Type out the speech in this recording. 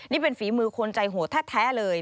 นี่เป็นฝีมือคนใจหัวแท้เลย